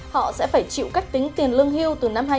họ sẽ phải chịu cách tính tiền lương hiêu từ năm hai nghìn một mươi tám